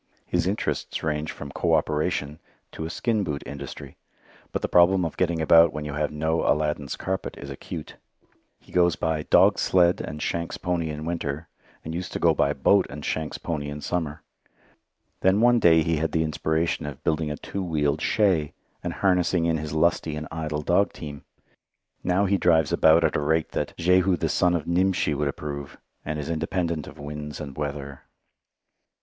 His interests range from coöperation to a skin boot industry. But the problem of getting about when you have no Aladdin's carpet is acute. He goes by dog sled and shanks' pony in winter, and used to go by boat and shanks' pony in summer. Then one day he had the inspiration of building a two wheeled shay, and harnessing in his lusty and idle dog team. Now he drives about at a rate that "Jehu the son of Nimshi would approve," and is independent of winds and weather.